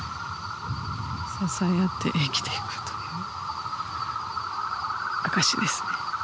支え合って生きていくという証しですね。